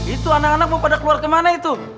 itu anak anak mau pada keluar kemana itu